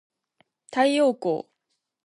太陽光